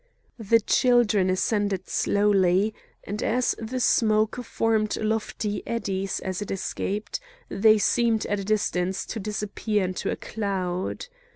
The children ascended slowly, and as the smoke formed lofty eddies as it escaped, they seemed at a distance to disappear in a cloud.